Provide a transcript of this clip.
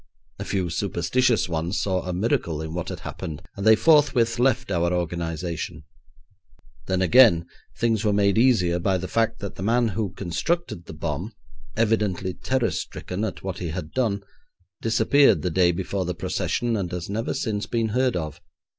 A few superstitious ones saw a miracle in what had happened, and they forthwith left our organisation. Then again, things were made easier by the fact that the man who constructed the bomb, evidently terror stricken at what he had done, disappeared the day before the procession, and has never since been heard of.